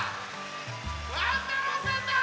ワン太郎さんだ！